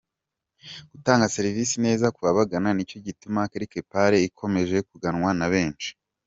Gutanga serivisi neza kubabagana, nicyo gituma Quelque Part ikomeje kuganwa na benshi.